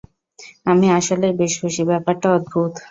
আমি আসলেই বেশ খুশি, ব্যাপারটা অদ্ভুত।